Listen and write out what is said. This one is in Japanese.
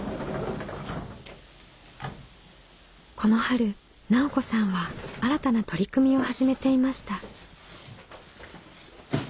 この春奈緒子さんは新たな取り組みを始めていました。